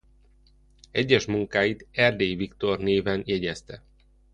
Egyes munkáit Erdélyi Viktor néven jegyezte.